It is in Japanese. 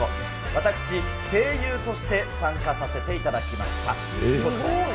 私、声優として参加させていただきました。